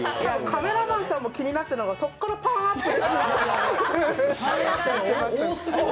カメラマンさんも気になってるのか、そこからパーンアップ。